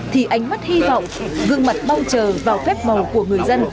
thì ánh mắt hy vọng gương mặt bao trờ vào phép bảo